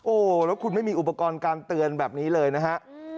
โอ้โหแล้วคุณไม่มีอุปกรณ์การเตือนแบบนี้เลยนะฮะ